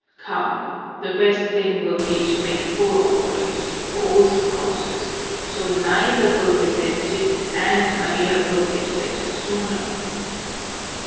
Come, the best thing will be to make poor offerings to both crosses, so neither will resent it, and Maria will get better sooner.